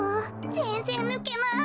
ぜんぜんぬけない。